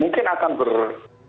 mungkin akan berlaku